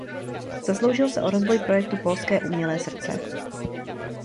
Zasloužil se o rozvoj projektu "Polské umělé srdce".